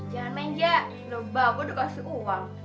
jangan main ja lo bawa gue udah kasih uang